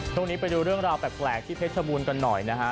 ช่วงนี้ไปดูเรื่องราวแปลกที่เพชรบูรณ์กันหน่อยนะฮะ